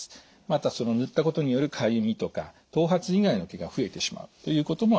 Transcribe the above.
また塗ったことによるかゆみとか頭髪以外の毛が増えてしまうということもあります。